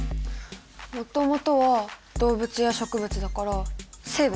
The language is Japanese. もともとは動物や植物だから生物ですね。